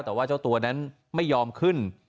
แต่ว่าเจ้าตัวนั้นไม่ยอมขึ้น